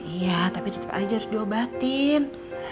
iya tapi tetap aja harus diobatin